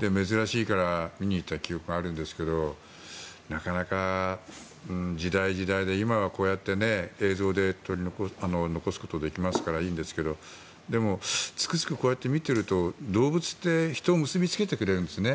珍しいから見に行った記憶があるんですがなかなか時代時代で今はこうやって映像で残すことができるからいいんですがつくづくこうやって見ていると動物って人を結びつけてくれるんですね。